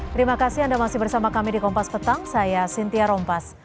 terima kasih anda masih bersama kami di kompas petang saya cynthia rompas